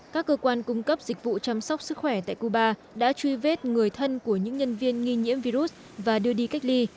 các cơ quan cung cấp dịch vụ chăm sóc sức khỏe tại cuba đã truy vết người thân của những nhân viên nghi nhiễm virus và đưa đi cách ly